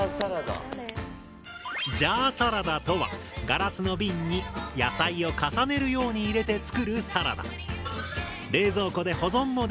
ジャーサラダとはガラスのビンに野菜を重ねるように入れて作るサラダ。